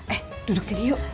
eh duduk sini yuk